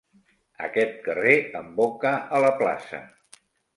Aquest carrer emboca a la plaça.